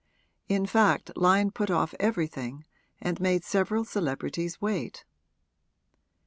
In fact Lyon put off everything and made several celebrities wait.